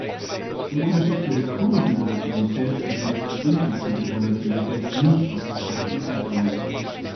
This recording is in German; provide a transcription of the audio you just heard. Im Unterschied zur historischen Volatilität beruht die implizite Volatilität nicht auf historischen Zeitreihen.